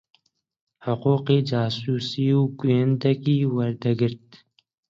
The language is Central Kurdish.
حقووقی جاسووسی و گوویندەگی وەردەگرت